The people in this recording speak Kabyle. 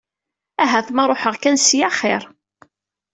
Ahat ma ruḥeɣ kan ssya axir.